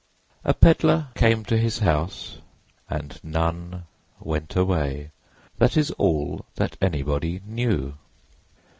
A peddler came to his house and none went away—that is all that anybody knew.